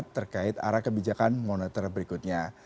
terkait arah kebijakan moneter berikutnya